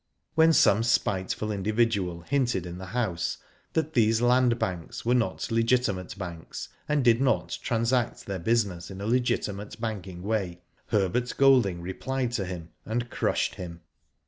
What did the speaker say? When some spiteful individual hinted in the house that these land banks were not legitimate banks, and did not transact their business in a legitimate banking way, Herbert Golding replied to him, and crushed him.